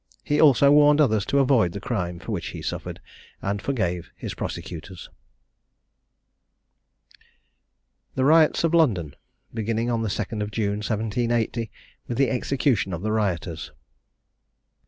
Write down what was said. He also warned others to avoid the crime for which he suffered, and forgave his prosecutors. THE RIOTS OF LONDON. BEGINNING ON THE 2ND JUNE, 1780, WITH THE EXECUTION OF THE RIOTERS.